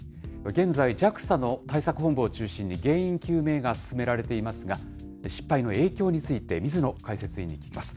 現在、ＪＡＸＡの対策本部を中心に原因究明が進められていますが、失敗の影響について、水野解説委員に聞きます。